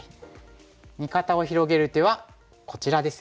味方を広げる手はこちらですよね。